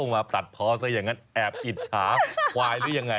มาตัดพอซะอย่างนั้นแอบอิจฉาควายหรือยังไง